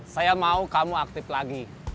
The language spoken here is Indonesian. saya mau kamu aktif lagi